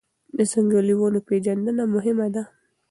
د ځنګلي ونو پېژندنه مهمه ده.